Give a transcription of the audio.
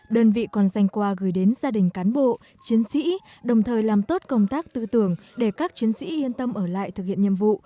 đơn vị còn dành quà gửi đến gia đình cán bộ chiến sĩ đồng thời làm tốt công tác tư tưởng để các chiến sĩ yên tâm ở lại thực hiện nhiệm vụ